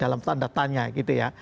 dalam tanda tanya gitu ya